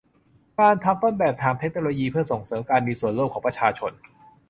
การทำต้นแบบทางเทคโนโลยีเพื่อส่งเสริมการมีส่วนร่วมของประชาชน